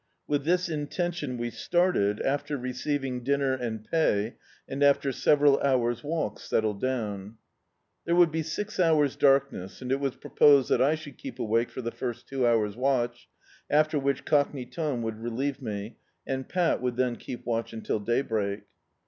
With this intention we started, after receiving dinner and pay, and after several hours' walk settled down. Tliere would be six hours' darkness and it was proposed that I should keep awake for the first two hours' watch, after which Cockney Tom would relieve me, and Pat would then keep watch until daybreak.